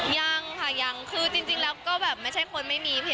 ยังมายังจริงก็แบบไม่ใช่คนไม่มี